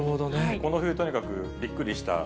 この冬、とにかくびっくりした。